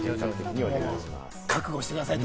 覚悟してくださいと。